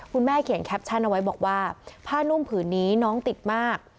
แม่เขียนแคปชั่นเอาไว้บอกว่าผ้านุ่มผืนนี้น้องติดมาก